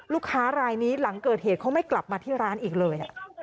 ลูกค้ารายนี้หลังเกิดเหตุเขาไม่กลับมาที่ร้านอีกเลย